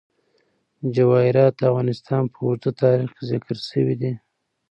جواهرات د افغانستان په اوږده تاریخ کې ذکر شوی دی.